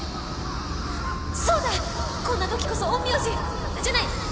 そうだこんな時こそ陰陽師じゃない原島さん！